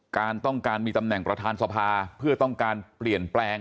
การต้องการมีตำแหน่งประธานสภาเพื่อต้องการเปลี่ยนแปลง